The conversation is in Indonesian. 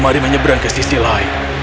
mari menyeberang ke sisi lain